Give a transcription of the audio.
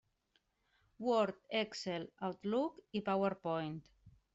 Word, Excel, Outlook i PowerPoint.